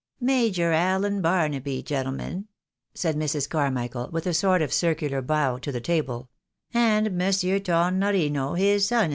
" Major Allen Barnaby, gentlemen," said Mrs. Carmichael, ■with a sort of circular bow to the table, " and Monsieur Tornorino, his son in law."